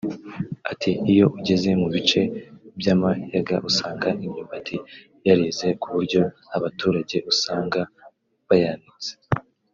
Ati"Iyo ugeze mu bice by’amayaga usanga imyumbati yareze ku buryo abaturage usanga bayanitse